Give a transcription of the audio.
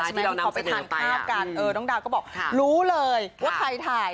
ที่เขาไปทานข้าวกันน้องดาวก็บอกรู้เลยว่าใครถ่าย